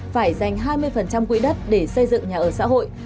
phải dành hai mươi quỹ đất để xây dựng nhà ở xã hội